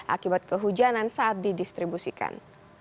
akibat kehujanan saat didistribusikan